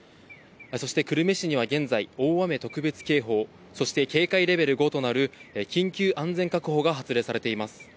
そして久留米市には現在、大雨特別警報、そして警戒レベル５となる緊急安全確保が発令されています。